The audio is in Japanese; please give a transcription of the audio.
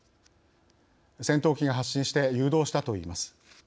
戦闘機が発進して誘導したといいます。